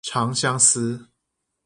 長相思